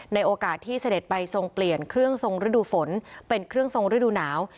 ในโอกาสที่เสด็จไปทรงเปลี่ยนเครื่องทรงฤดูฝนเป็นเครื่องทรงฤดูหนาว